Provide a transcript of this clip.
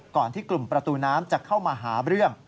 ก่อนที่กลุ่มประตูน้ำจะเข้ามาหาเรื่อง